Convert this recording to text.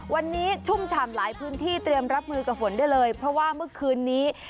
วันนี้ชุ่มฉ่ำหลายพื้นที่เตรียมรับมือกับฝนได้เลยเพราะว่าเมื่อคืนนี้